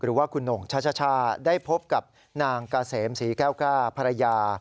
หรือว่าคุณหน่งชัชชาได้พบกับนางกาเสมศรีแก้วก้าภรรยา